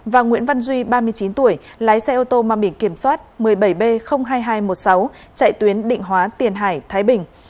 và nguyễn văn duy ba mươi chín tuổi lái xe ô tô mang biển kiểm soát một mươi bảy b hai nghìn hai trăm một mươi sáu chạy tuyến định hóa tiền hải thái bình